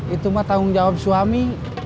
itu mah tanggung jawab suami